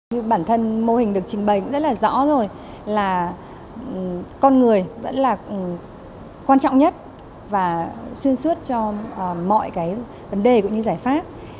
như bản thân mô hình được trình bày rất là rõ rồi là con người vẫn là quan trọng nhất và xuyên suốt cho mọi cái vấn đề cũng như giải pháp